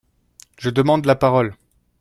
Je demande la parole